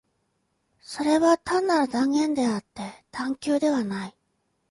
それは単なる断言であって探求ではない。